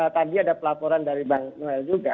tadi ada pelaporan dari bang noel juga